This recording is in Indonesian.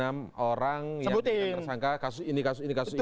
yang tersangka kasus ini kasus ini kasus ini